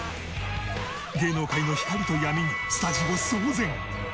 芸能界の光と闇にスタジオ騒然！